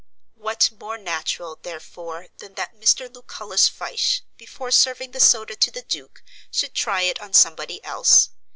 What more natural, therefore, than that Mr. Lucullus Fyshe, before serving the soda to the Duke, should try it on somebody else?